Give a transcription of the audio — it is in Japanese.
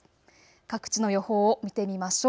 各地の予報を見てみましょう。